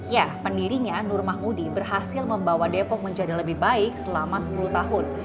ya pendirinya nur mahmudi berhasil membawa depok menjadi lebih baik selama sepuluh tahun